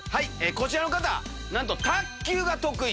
こちらの方なんと。